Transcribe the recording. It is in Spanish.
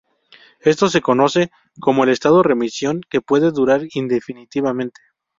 Esto se conoce como el estado de remisión, que puede durar indefinidamente.